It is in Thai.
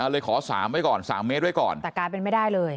เลยขอ๓เมตรไว้ก่อนแต่การเป็นไม่ได้เลย